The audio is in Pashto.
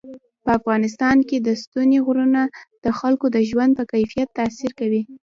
په افغانستان کې ستوني غرونه د خلکو د ژوند په کیفیت تاثیر کوي.